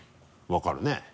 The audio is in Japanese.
分かるね。